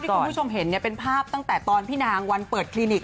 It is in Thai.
คุณผู้ชมเห็นเป็นภาพตั้งแต่ตอนพี่นางวันเปิดคลินิก